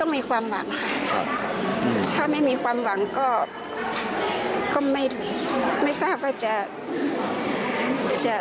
มีความหวังค่ะเพราะว่ามันต้องมีความหวังค่ะ